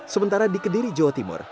sementara di kediri jawa timur